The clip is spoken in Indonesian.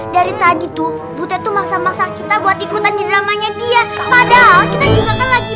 dari tadi tuh butet tuh maksa maksa kita buat ikutan di dramanya dia padahal kita juga kan lagi